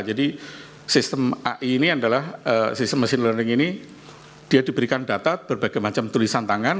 jadi sistem ai ini adalah sistem machine learning ini dia diberikan data berbagai macam tulisan tangan